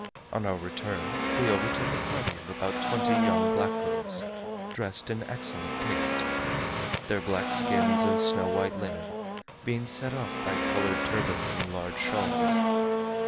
On our return we overtook a party of about twenty young black girls, dressed in excellent taste; their black skins and snow white linen being set off by coloured turbans and large shawls.